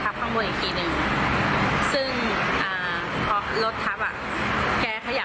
คนมาช่วยเหลือแล้ว